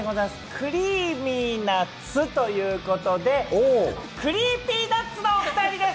クリーミーな「つ」ということで、ＣｒｅｅｐｙＮｕｔｓのお２人です。